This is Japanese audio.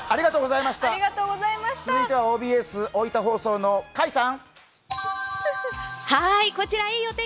続いてはＯＢＳ大分放送の甲斐さん。